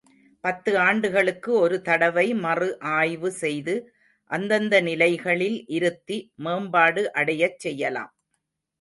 பத்து ஆண்டுகளுக்கு ஒரு தடவை மறு ஆய்வு செய்து அந்தந்த நிலைகளில் இருத்தி மேம்பாடு அடையச் செய்யலாம்.